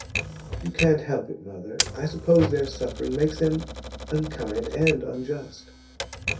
'You can't help it, mother. I suppose their suffering makes them unkind and unjust.